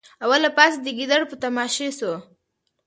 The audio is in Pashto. او له پاسه د ګیدړ په تماشې سو